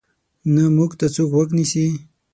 نه موږ ته څوک غوږ نیسي.